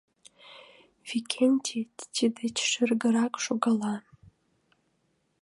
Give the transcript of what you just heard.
— Викентий тиддеч шергырак шогала...